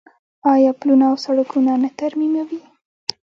آیا پلونه او سړکونه نه ترمیموي؟